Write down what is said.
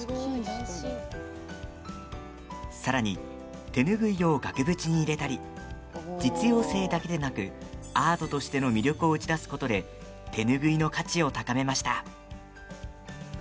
さらに、手拭いを額縁に入れたり実用性だけでなくアートとしての魅力を打ち出すことで手拭いの価値を上げました。